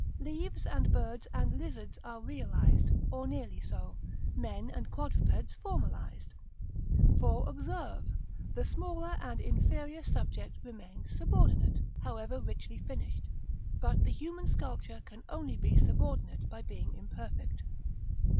Leaves, and birds, and lizards are realised, or nearly so; men and quadrupeds formalised. For observe, the smaller and inferior subject remains subordinate, however richly finished; but the human sculpture can only be subordinate by being imperfect.